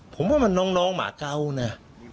ผมว่ามันน้องหมาเกานะ